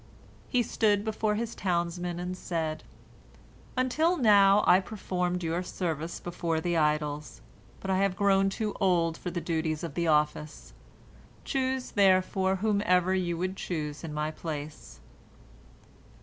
He stood before his townsmen, and said, "Until now I performed your service before the idols, but I have grown too old for the duties of the office. Choose, therefore, whomever you would choose in my place."